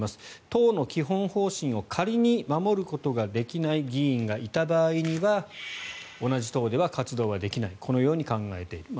党の基本方針を仮に守ることができない議員がいた場合には同じ党では活動ができないこのように考えている。